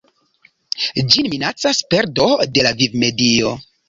Ĝin minacas perdo de la vivmedio.